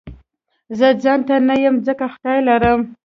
زه ځانته نه يم ځکه خدای لرم